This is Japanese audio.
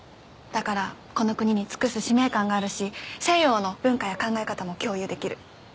だからこの国に尽くす使命感があるし西洋の文化や考え方も共有できる。